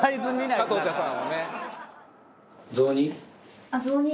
加藤茶さんをね」